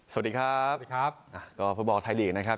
สวัสดีครับสวัสดีครับสวัสดีครับอ่าก็ภูมิบอลไทยหลีกนะครับ